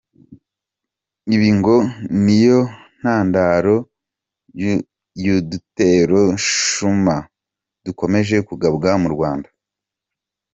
Ibi ngo ni yo ntandaro y’udutero shuma dukomeje kugabwa mu Rwanda.